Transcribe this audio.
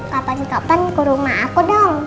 papa suka pengen ke rumah aku dong